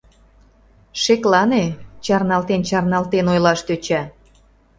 Шеклане!.. — чарналтен-чарналтен ойлаш тӧча.